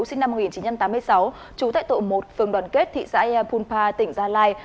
sinh năm một nghìn chín trăm tám mươi sáu trú tại tội một phường đoàn kết thị xã ea phunpa tỉnh gia lai